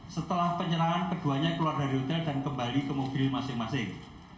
setelah penyerangan keduanya keluar dari rute dan kembali ke mobil masing masing